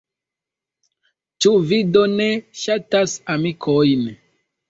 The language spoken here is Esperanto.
Ĉu vi do ne ŝatas amikojn?